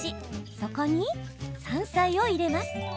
そこに山菜を入れます。